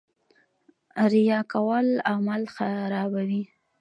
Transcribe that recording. ریا کول عمل خرابوي